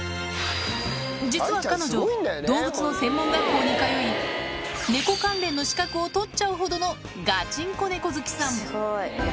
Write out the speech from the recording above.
実は彼女、動物の専門学校に通い、猫関連の資格を取っちゃうほどのガチンコ猫好きさん。